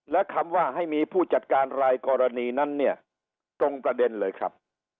และคำว่าให้มีผู้จัดการรายกรณีนั้นเนี่ยตรงประเด็นเลยครับ